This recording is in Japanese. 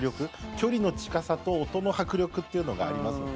距離の近さと音の迫力っていうのがありますね。